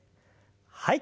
はい。